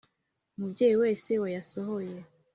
Mubyeyi wese wayasohoye